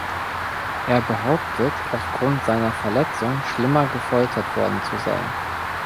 Er behauptet aufgrund seiner Verletzung schlimmer gefoltert worden zu sein.